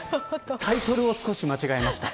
タイトルを少し間違えました。